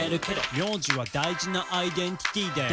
「名字は大事なアイデンティティだよ」